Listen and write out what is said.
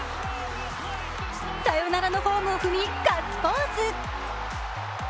サヨナラのホームを踏み、ガッツポーズ。